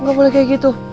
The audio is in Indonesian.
lo gak boleh kayak gitu